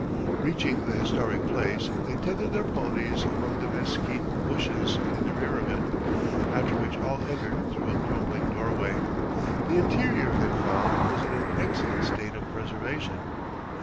Reaching the historic place, they tethered their ponies among the mesquite bushes in the rear of it, after which all entered through a crumbling doorway. The interior, they found, was in an excellent state of preservation.